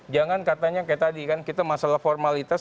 jangan katanya kayak tadi kan kita masalah formalitas